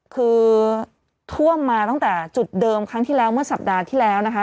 คือท่วมมาตั้งแต่จุดเดิมครั้งที่แล้วเมื่อสัปดาห์ที่แล้วนะคะ